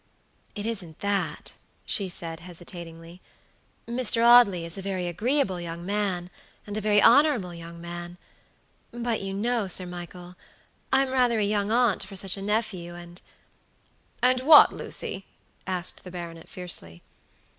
"It isn't that," she said, hesitatingly. "Mr. Audley is a very agreeable young man, and a very honorable young man; but you know, Sir Michael, I'm rather a young aunt for such a nephew, and" "And what, Lucy?" asked the baronet, fiercely.